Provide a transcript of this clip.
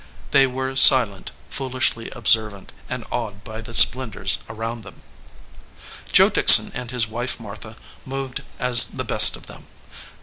They were silent, foolishly observant, and awed by the splendors around them. Joe Dickson and his wife Martha moved as the best of them.